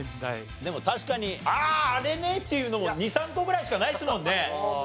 でも確かに「あああれね」っていうの２３個ぐらいしかないですもんねもうね。